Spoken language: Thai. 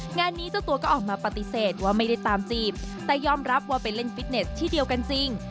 งานนี้เจ้าตัวก็ออกมาปฏิเสธว่าไม่ได้ตามจีบแต่ยอมรับว่าไปเล่นฟิตเนสที่เดียวกันจริง